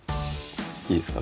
いいですか？